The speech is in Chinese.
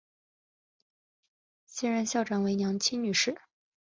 现任校长为杨清女士。